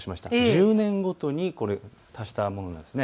１０年ごとに足したものなんです。